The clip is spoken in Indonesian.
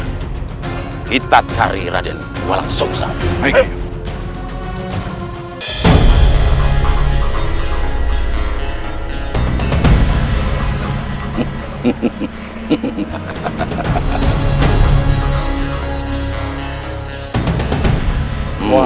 kita cari radenwa langsung saja